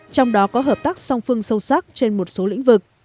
trong đó có hợp tác song phương sâu sắc trên một số lĩnh vực